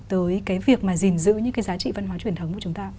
tới cái việc mà gìn giữ những cái giá trị văn hóa truyền thống của chúng ta